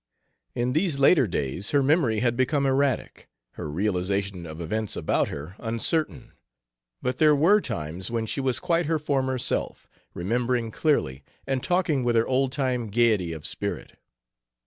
In these later days her memory had become erratic, her realization of events about her uncertain, but there were times when she was quite her former self, remembering clearly and talking with her old time gaiety of spirit.